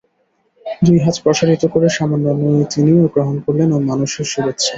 দুই হাত প্রসারিত করে সামান্য নুয়ে তিনিও গ্রহণ করলেন মানুষের শুভেচ্ছা।